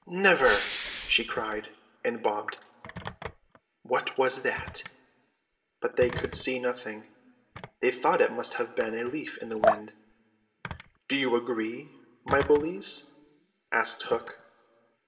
"Never!" she cried, and bobbed. "What was that?" But they could see nothing. They thought it must have been a leaf in the wind. "Do you agree, my bullies?" asked Hook.